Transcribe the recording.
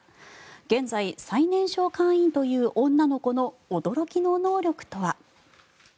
現在、最年少会員という女の子の驚きの能力とは。